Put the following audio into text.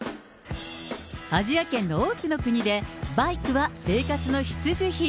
アジア圏の多くの国でバイクは生活の必需品。